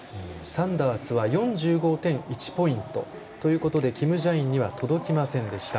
サンダースは４５．１ポイントということでキム・ジャインには届きませんでした。